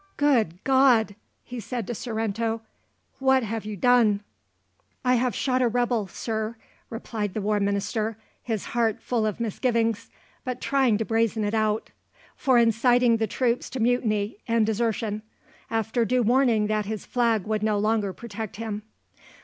"Good God!" he said to Sorrento, "what have you done?" "I have shot a rebel, Sir," replied the War Minister, his heart full of misgivings, but trying to brazen it out, "for inciting the troops to mutiny and desertion, after due warning that his flag would no longer protect him."